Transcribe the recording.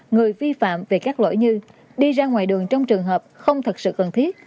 người vi phạm về các lỗi như đi ra ngoài đường trong trường hợp không thật sự cần thiết